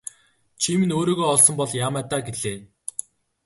Чи минь өөрийгөө олсон бол яамай даа гэлээ.